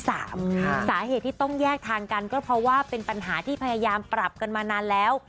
สาเหตุที่ต้องแยกทางกันก็เพราะว่าเป็นปัญหาที่พยายามปรับกันมานานแล้ว